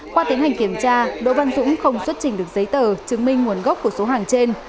qua tiến hành kiểm tra đỗ văn dũng không xuất trình được giấy tờ chứng minh nguồn gốc của số hàng trên